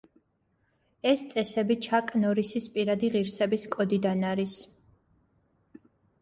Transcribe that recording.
ეს წესები ჩაკ ნორისის პირადი ღირსების კოდიდან არის.